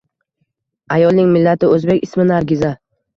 Ayolning millati o`zbek, ismi Nargiza